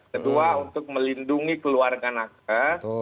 kedua untuk melindungi keluarga nakas